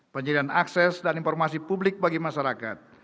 penyediaan akses dan informasi publik bagi masyarakat